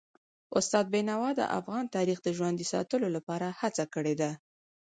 استاد بینوا د افغان تاریخ د ژوندي ساتلو لپاره هڅه کړي ده.